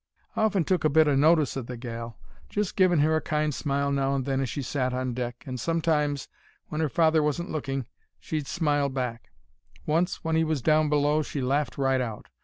"I'd often took a bit o' notice o' the gal; just giving 'er a kind smile now and then as she sat on deck, and sometimes—when 'er father wasn't looking—she'd smile back. Once, when 'e was down below, she laughed right out.